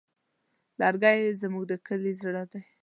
لرګی زموږ د کلي زړه دی.